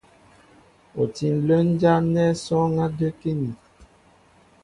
U tí ǹlə́ ǹjá' nɛ́ sɔ́ɔ́ŋ á də́kíní.